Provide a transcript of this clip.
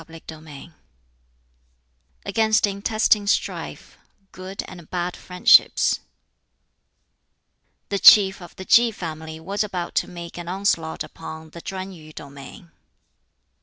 BOOK XVI Against Intestine Strife Good and Bad Friendships The Chief of the Ki family was about to make an onslaught upon the Chuen yu domain.